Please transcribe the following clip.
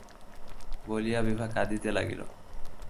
বলিয়া বিভা কাঁদিতে লাগিল।